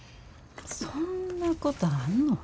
そんなことあんの？